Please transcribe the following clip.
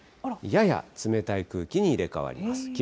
やや冷たい空気に入れ代わります。